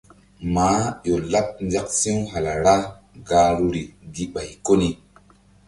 Maah ƴo laɓ nzak si̧w hala ra̧h gahruri gi ɓay ko ni.